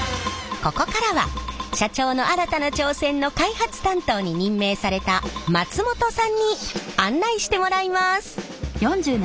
ここからは社長の新たな挑戦の開発担当に任命された松本さんに案内してもらいます。